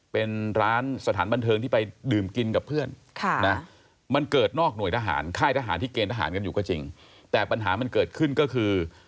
เป็นร้านสถานบันเทิงที่ไปดื่มกินกับเพื่อน